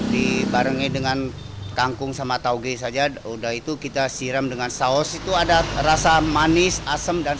dibarengi dengan kangkung sama tauge saja udah itu kita siram dengan saus itu ada rasa manis asem dan